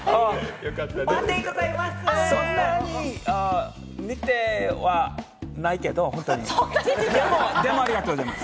そんなに似てはないけれども、でも、ありがとうございます。